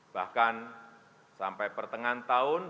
bahkan sampai pertengahan tahun dua ribu dua puluh dua ini